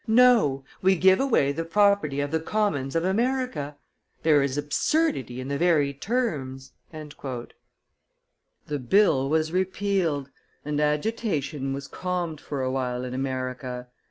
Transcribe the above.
No; we give away the property of the Commons of America. There is absurdity in the very terms." The bill was repealed, and agitation was calmed for a while in America.